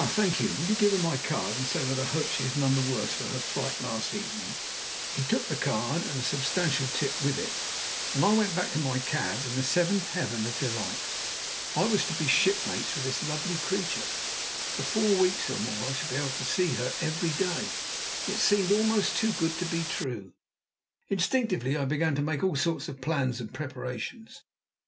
Thank you. Will you give her my card, and say that I hope she is none the worse for her fright last evening?" He took the card, and a substantial tip with it, and I went back to my cab in the seventh heaven of delight. I was to be shipmates with this lovely creature! For four weeks or more I should be able to see her every day! It seemed almost too good to be true. Instinctively I began to make all sorts of plans and preparations.